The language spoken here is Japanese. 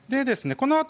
このあと